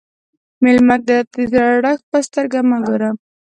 مېلمه ته د زړښت په سترګه مه ګوره.